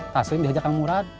taslim dihajar kang murad